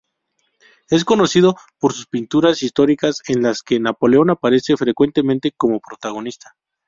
Es conocido por sus pinturas históricas en las que Napoleón aparece frecuentemente como protagonista.